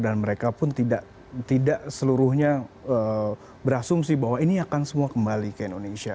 mereka pun tidak seluruhnya berasumsi bahwa ini akan semua kembali ke indonesia